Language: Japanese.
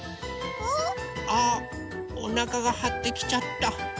う？あっおなかがはってきちゃった。